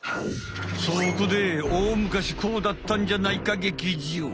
そこで大昔「こうだったんじゃないか劇場」。